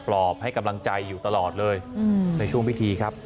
ปลอบให้กำลังใจอยู่ตลอดเลยในช่วงพิธีครับ